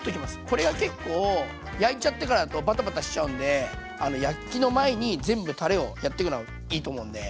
これが結構焼いちゃってからだとバタバタしちゃうんで焼きの前に全部たれをやっとくのいいと思うんで。